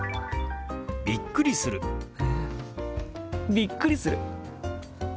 びっくりする。